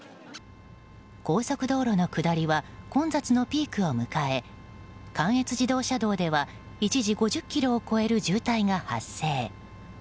高速道路の下りは混雑のピークを迎え関越自動車道では一時５０ｋｍを超える渋滞が発生。